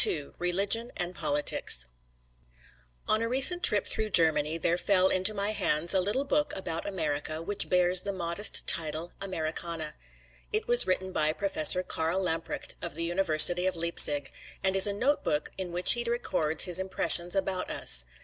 XXII RELIGION AND POLITICS On a recent trip through Germany there fell into my hands a little book about America which bears the modest title, "Americana." It was written by Professor Karl Lamprecht of the University of Leipzig, and is a note book in which he records his impressions about us.